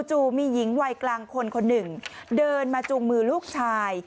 มีหญิงวัยกลางคนคนหนึ่งเดินมาจูงมือลูกชาย